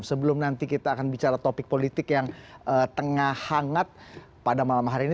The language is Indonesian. sebelum nanti kita akan bicara topik politik yang tengah hangat pada malam hari ini